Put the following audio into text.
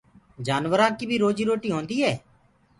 جآنورآنٚ ڪيٚ بيٚ روجيٚ روٽيٚ هونديٚ هي